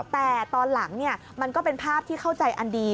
แต่ตอนหลังมันก็เป็นภาพที่เข้าใจอันดี